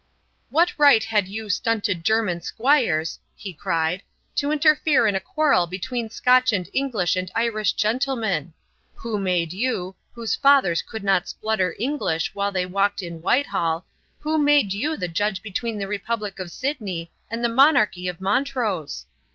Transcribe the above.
"What right had you stunted German squires," he cried, "to interfere in a quarrel between Scotch and English and Irish gentlemen? Who made you, whose fathers could not splutter English while they walked in Whitehall, who made you the judge between the republic of Sidney and the monarchy of Montrose?